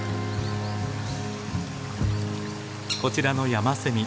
こちらのヤマセミ